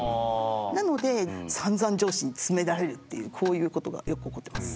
なのでさんざん上司に詰められるっていうこういうことがよく起こってます。